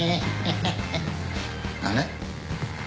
あれ？